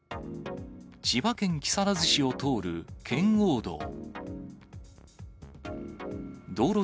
千葉県木更津市を通る圏央道。